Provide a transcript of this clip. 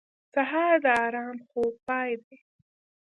سهار د ارام خوب پای دی.